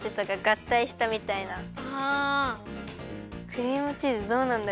クリームチーズどうなんだろう？